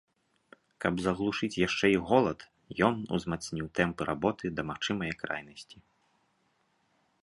Каб заглушыць яшчэ і голад, ён узмацніў тэмпы работы да магчымае крайнасці.